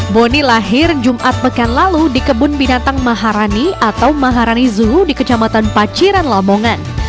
boni lahir jumat pekan lalu di kebun binatang maharani atau maharani zoo di kecamatan paciran lamongan